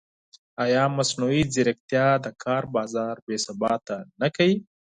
ایا مصنوعي ځیرکتیا د کار بازار بېثباته نه کوي؟